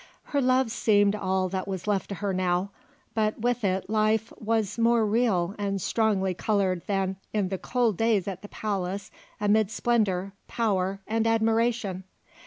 Her love seemed all that was left to her now, but with it life was more real and strongly coloured than in the cold days at the palace amid splendour, power, and admiration.